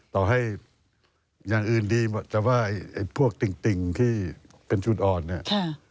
ต่อให้อย่างอื่นดีหมดแต่ว่าไอ้พวกติ่งที่เป็นจุดอ่อนเนี่ย